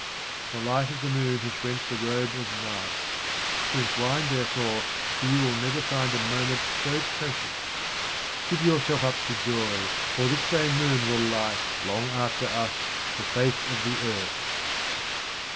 The light of the moon has rent the robe of night. Drink wine, therefore, for you will never find a moment so precious. Give your self up to joy, for this same moon will light long after us the face of the earth.